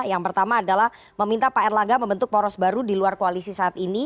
yang pertama adalah meminta pak erlangga membentuk poros baru di luar koalisi saat ini